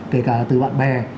kể cả từ bạn bè